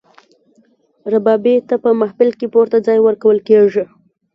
ربابي ته په محفل کې پورته ځای ورکول کیږي.